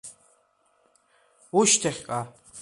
Ушьҭахьҟа!